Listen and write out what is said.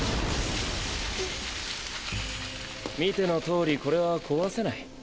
見てのとおりこれは壊せない。